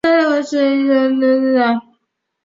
下一段活用活用类型的一种。